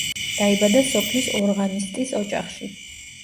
დაიბადა სოფლის ორღანისტის ოჯახში.